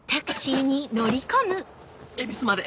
恵比寿まで。